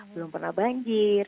belum pernah banjir